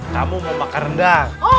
kamu mau makan rendang